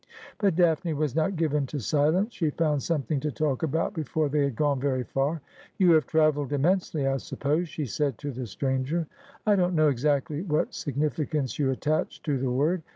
But Daphne was not given to silence. She found something to talk about before they had gone very far. 'You have travelled immensely, I suppose ?' she said to the stranger. ' I don't know exactly what significance you attach to the word.